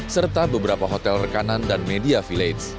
serta beberapa hotel rekanan dan media village